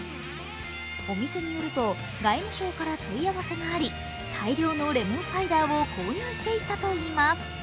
お店によると外務省から問い合わせがあり大量のレモンサイダーを購入していったといいます。